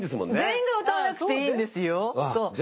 全員が歌わなくていいんですよ。